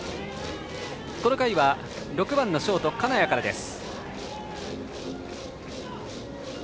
この回は６番のショート、金谷からです。